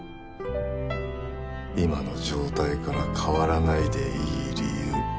今の状態から変わらないでいい理由。